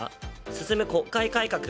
進む国会改革。